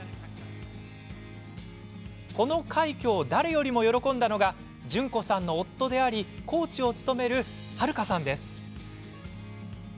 この快挙を誰よりも喜んだのが順子さんの夫でありコーチを務める悠さんです。